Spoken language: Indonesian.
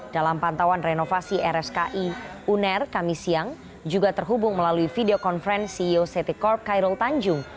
dalam pantauan renovasi rski uner kami siang juga terhubung melalui video conference ceo ct corp khairul tanjung